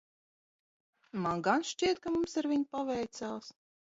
Man gan šķiet, ka mums ar viņu paveicās.